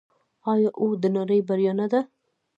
آیا او د نړۍ بریا نه ده؟